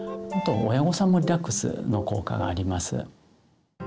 あと親御さんもリラックスの効果があります。